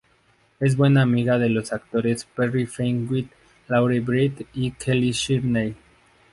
Es buena amiga de los actores Perry Fenwick, Laurie Brett y Kellie Shirley.